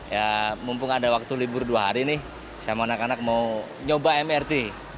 ya mumpung ada waktu libur dua hari nih sama anak anak mau nyoba mrt